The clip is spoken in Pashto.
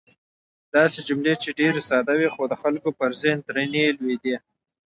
داسې جملې چې ډېرې ساده وې، خو د خلکو پر ذهن درنې لوېدې.